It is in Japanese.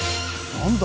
何だ？